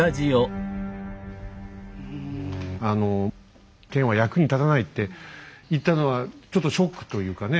あの剣は役に立たないって言ったのはちょっとショックというかね